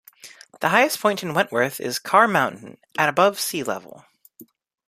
The highest point in Wentworth is Carr Mountain, at above sea level.